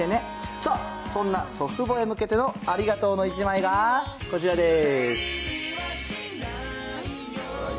さあ、そんな祖父母へ向けてのありがとうの１枚がこちらです。